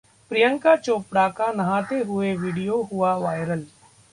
प्रियंका चोपड़ा का नहाते हुए वीडियो हुआ वायरल